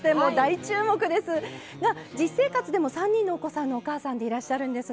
実生活でも３人のお子さんのお母さんでいらっしゃるんですが。